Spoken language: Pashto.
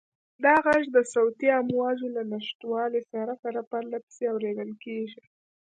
دا غږ د صوتي امواجو له نشتوالي سره سره پرله پسې اورېدل کېږي.